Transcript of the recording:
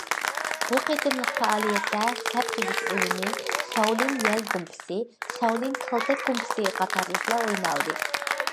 بۇ قېتىملىق پائالىيەتتە سەپ تۈزۈش ئويۇنى، شاۋلىن يەل گۇمپىسى، شاۋلىن كالتەك گۇمپىسى قاتارلىقلار ئوينالدى.